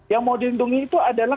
yang mau dilindungi itu adalah